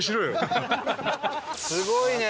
すごいね！